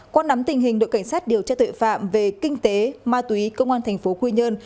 qua nắm tình hình đội cảnh sát điều tra tội phạm về kinh tế ma túy công an thành phố quy nhơn